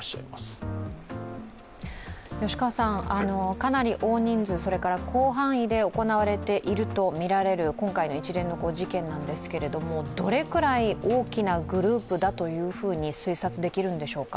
かなり大人数、それから広範囲で行われているとみられる今回の一連の事件なんですけれどもどれくらい大きなグループだというふうに推察できるんでしょうか。